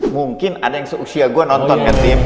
mungkin ada yang seusia gue nonton ke tim